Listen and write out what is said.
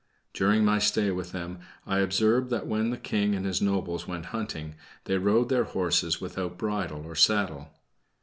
During my stay with them, I observed that when the King and his nobles went hunting, they rode their horses without bridle or saddle.